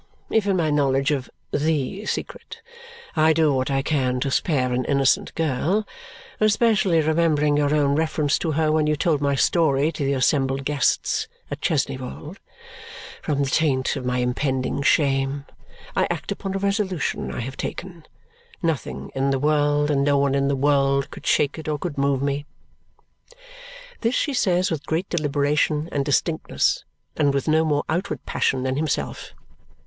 If in my knowledge of THE secret I do what I can to spare an innocent girl (especially, remembering your own reference to her when you told my story to the assembled guests at Chesney Wold) from the taint of my impending shame, I act upon a resolution I have taken. Nothing in the world, and no one in the world, could shake it or could move me." This she says with great deliberation and distinctness and with no more outward passion than himself.